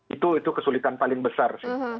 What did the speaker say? itu kesulitan paling besar